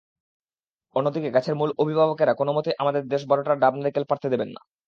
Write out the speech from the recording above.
অন্যদিকে গাছের মূল অভিভাবকেরা কোনোমতেই আমাদের দশ-বারোটা ডাব-নারিকেল পাড়তে দেবেন না।